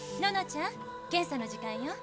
ちゃん検査の時間よ。